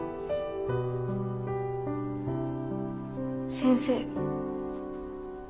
先生。